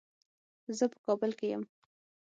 زه په کابل کې یم.